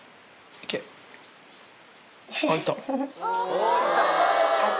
いった。